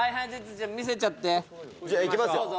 見せちゃってじゃいきますよ